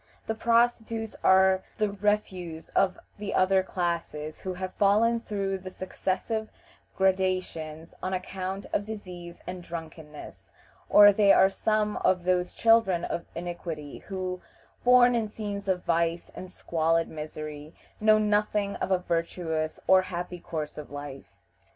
The prostitutes are the refuse of the other classes who have fallen through the successive gradations on account of disease and drunkenness, or they are some of those children of iniquity who, born in scenes of vice and squalid misery, know nothing of a virtuous or happy course of life.